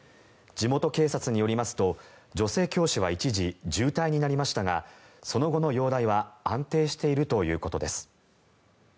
地元警察によりますと女性教師は一時、重体になりましたがその後の容体は安定しているということです。